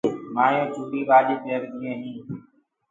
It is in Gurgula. مآيونٚ چوُڙي والي پيرديونٚ هينٚ